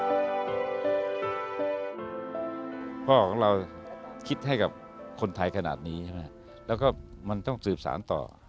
พ่อของเราคิดให้กับคนไทยขนาดนี้ใช่ไหมแล้วก็มันต้องสืบสารต่อ